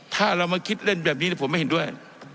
ถ้าเรามาคิดเล่นแบบนี้ผมไม่เห็นด้วย